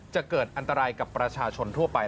จะเกิดอันตรายกับประชาชนทั่วไป